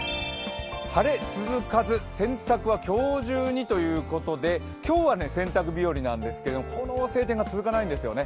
晴れ続かず、洗濯は今日中にということで今日は洗濯日和なんですけどこの晴天が続かないんですよね。